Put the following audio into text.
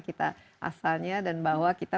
kita asalnya dan bahwa kita